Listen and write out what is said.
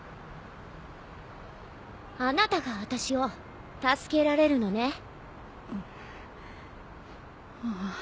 あなたが私を助けられるのね？